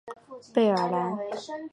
贝尔兰。